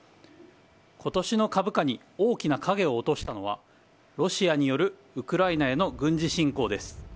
今年の株価に大きな影を落としたのはロシアによるウクライナへの軍事侵攻です。